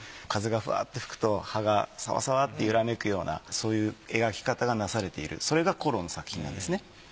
風がフワッて吹くと葉がサワサワって揺らめくようなそういう描き方がなされているそれがコローの作品なんですね。